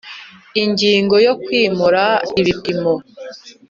Ingingo ya kwimura ibipimo